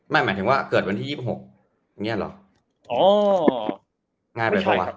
ไม่หมายถึงว่าเกิดวันที่๒๖เนี่ยเหรอ